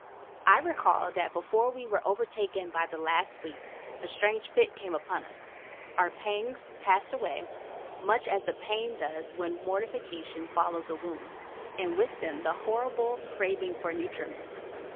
I recall that before we were overtaken by the last sleep, a strange fit came upon us. Our pangs passed away, much as the pain does when mortification follows a wound, and with them that horrible craving for nutriment.